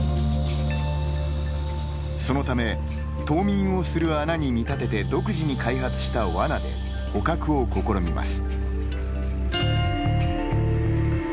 そのため冬眠をする穴に見立てて独自に開発したワナで捕獲を試みます。